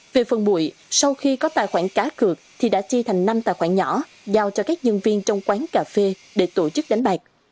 về phần mụi sau khi có tài khoản cá cược thì đã chia thành năm tài khoản nhỏ giao cho các nhân viên trong quán cà phê để tổ chức đánh bạc